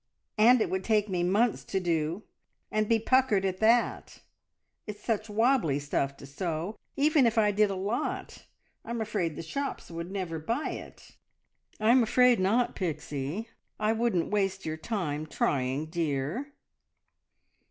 "And it would take me months to do, and be puckered at that! It's such wobbly stuff to sew. Even if I did a lot, I'm afraid the shops would never buy it." "I'm afraid not, Pixie. I wouldn't waste your time trying, dear!"